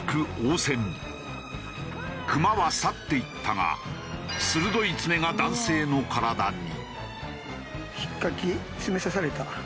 クマは去っていったが鋭い爪が男性の体に。